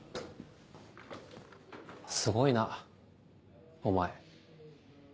すごいなお前。